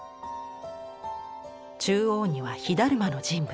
中央には火だるまの人物。